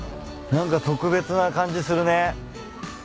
何か特別な感じするね。